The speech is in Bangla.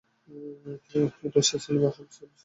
এটা স্থিতিশীল অবস্থার বিচ্যুতিকে নির্দেশ করে।